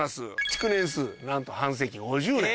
築年数なんと半世紀５０年。